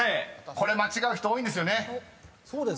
これ間違う人多いんですよね］